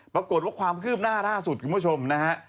ปรากฏว่าความคืบหน้าล่าสุดคุณผู้ชมนะฮะ